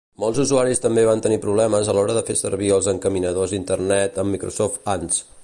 Molts usuaris també van tenir problemes a l'hora de fer servir els encaminadors d'internet amb Microsoft Ants.